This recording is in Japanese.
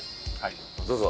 どうぞ。